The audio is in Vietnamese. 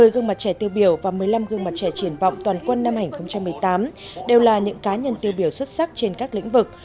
một mươi gương mặt trẻ tiêu biểu và một mươi năm gương mặt trẻ triển vọng toàn quân năm hai nghìn một mươi tám đều là những cá nhân tiêu biểu xuất sắc trên các lĩnh vực